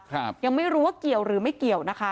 ยังไม่รู้ว่าเกี่ยวหรือไม่เกี่ยวนะคะ